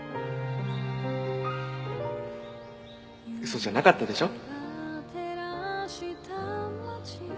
嘘じゃなかったでしょ？